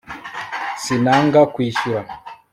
sinanga kwishyura